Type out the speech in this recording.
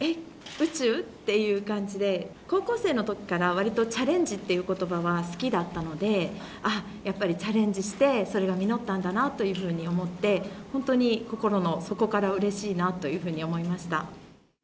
宇宙？っていう感じで、高校生のときから、わりとチャレンジっていうことばは好きだったので、あっ、やっぱりチャレンジして、それが実ったんだなというふうに思って、本当に心の底からうれしいなというふうに思いました。